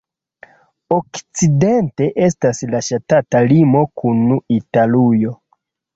Okcidente estas la ŝtata limo kun Italujo.